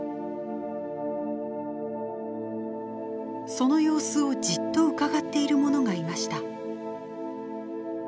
その様子をじっとうかがっているものがいました。